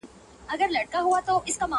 کورته مي څوک نه راځي زړه ته چي ټکور مي سي.!